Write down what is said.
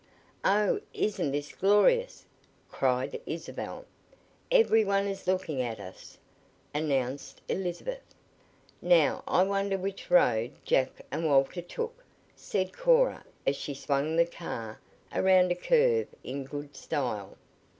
"Oh, isn't this glorious!" cried Isabel. "Every one is looking at us," announced Elizabeth. "Now I wonder which road Jack and Walter took?" said Cora as she swung the car around a curve in good style.